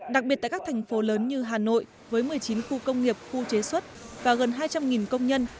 đặc biệt tại các thành phố lớn như hà nội với một mươi chín khu công nghiệp khu chế xuất và gần hai trăm linh công nhân